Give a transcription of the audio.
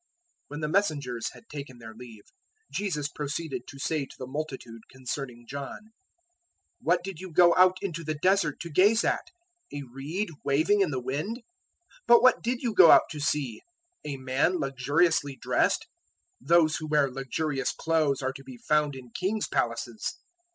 011:007 When the messengers had taken their leave, Jesus proceeded to say to the multitude concerning John, "What did you go out into the Desert to gaze at? A reed waving in the wind? 011:008 But what did you go out to see? A man luxuriously dressed? Those who wear luxurious clothes are to be found in kings' palaces.